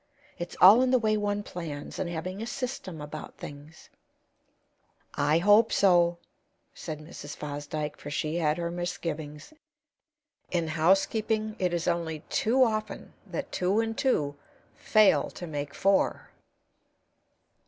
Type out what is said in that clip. It's all in the way one plans, and having a system about things." "I hope so," said Mrs. Fosdyke; for she had her misgivings. In housekeeping it is only too often that two and two fail to make four.